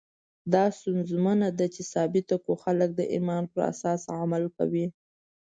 دا ستونزمنه ده چې ثابته کړو خلکو د ایمان پر اساس عمل کاوه.